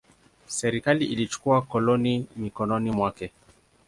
Serikali ilichukua koloni mikononi mwake.